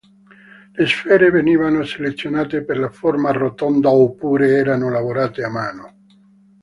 Le sfere venivano selezionate per la forma rotonda oppure erano lavorate a mano.